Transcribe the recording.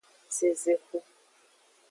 Zezexu.